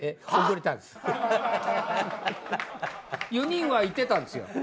４人は行ってたんですよ。